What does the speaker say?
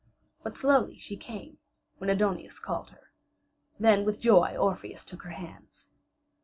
But slowly she came when Aidoneus called her. Then with joy Orpheus took her hands.